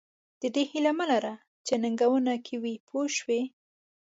د دې هیله مه لره چې ننګونې کم وي پوه شوې!.